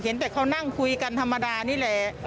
เห็นแต่เขานั่งคุยกันธรรมดานี่แหละ